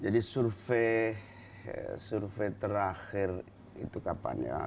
jadi survei terakhir itu kapan ya